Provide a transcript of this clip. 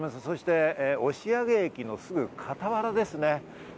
そして押上駅のすぐ傍らですね。